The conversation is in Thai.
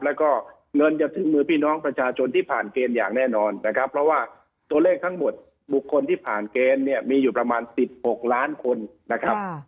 แล้วก็เงินจะถึงมือพี่น้องประชาชนที่ผ่านเกณฑ์อย่างแน่นอนนะครับเพราะว่าตัวเลขทั้งหมดบุคคลที่ผ่านเกณฑ์เนี่ยมีอยู่ประมาณ๑๖ล้านคนนะครับ